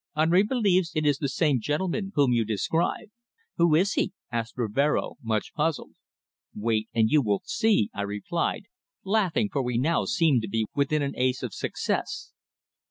"Henri believes it is the same gentleman whom you describe." "Who is he?" asked Rivero, much puzzled. "Wait and you will see," I replied, laughing, for we now seemed to be within an ace of success.